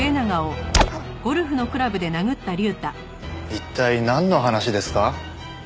一体なんの話ですか？